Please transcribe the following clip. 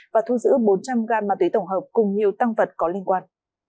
và thu giữ bốn trăm linh g ma túy tổng hợp cùng nhiều tăng vật có liên quan